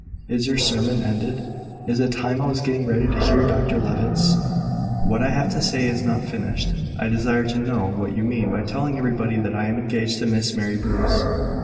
"Is your sermon ended? It is time I was getting ready to hear Dr Levitt's." "What I have to say is not finished. I desire to know what you mean by telling everybody that I am engaged to Miss Mary Bruce."